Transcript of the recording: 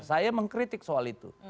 saya mengkritik soal itu